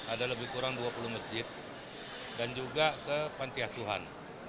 ada lebih kurang dua puluh masjid dan juga ke pantiasuhan